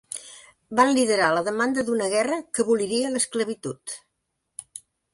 Van liderar la demanda d'una guerra que aboliria l'esclavitud.